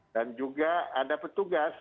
dan juga ada petugas